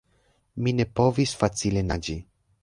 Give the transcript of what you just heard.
Mi ne povis facile naĝi.